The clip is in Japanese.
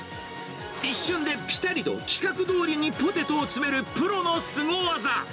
一瞬でぴたりと規格どおりにポテトを詰めるプロのすご技。